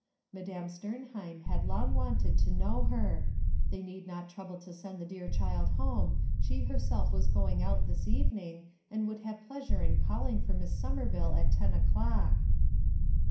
Madame Sternheim had long wanted to know her. They need not trouble to send the dear child home, she herself was going out this evening, and would have pleasure in calling for Miss Somerviile at ten o'clock.